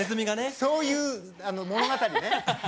そういう物語。